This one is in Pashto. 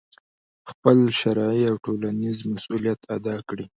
خپل شرعي او ټولنیز مسؤلیت ادا کړي،